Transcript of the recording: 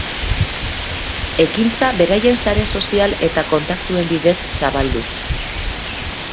Ekintza beraien sare sozial eta kontaktuen bidez zabalduz.